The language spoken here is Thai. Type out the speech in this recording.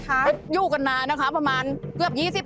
เขาถือมีดอยู่